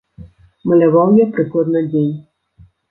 Маляваў я прыкладна дзень.